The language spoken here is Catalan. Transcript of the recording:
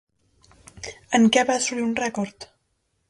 En què va assolir un rècord?